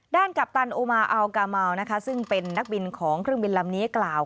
กัปตันโอมาอัลกาเมานะคะซึ่งเป็นนักบินของเครื่องบินลำนี้กล่าว